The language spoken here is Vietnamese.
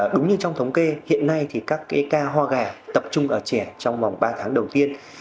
đúng như trong thống kê hiện nay thì các cái ca ho gà tập trung ở trẻ trong vòng ba tháng đầu tiên